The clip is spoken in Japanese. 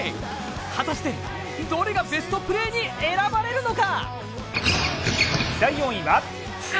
果たして、どれがベストプレーに選ばれるのか！